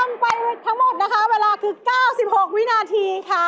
ทำไปทั้งหมดนะคะเวลาคือ๙๖วินาทีค่ะ